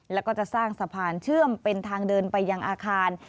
แล้วก็จะสร้างสะพานเชื่อมเป็นทางเดินไปยังอาคาร